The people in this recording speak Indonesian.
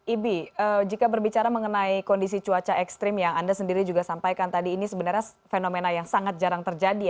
ibi jika berbicara mengenai kondisi cuaca ekstrim yang anda sendiri juga sampaikan tadi ini sebenarnya fenomena yang sangat jarang terjadi